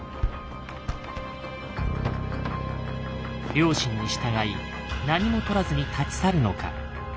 良心に従い何もとらずに立ち去るのか。